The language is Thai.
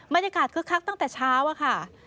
บรรยากาศคลึกคลักตั้งแต่เช้าอะค่ะ